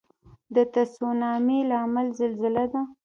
د تسونامي لامل زلزله ده.